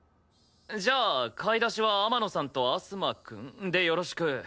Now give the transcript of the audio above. じゃあ買い出しは天野さんと遊馬くんでよろしく。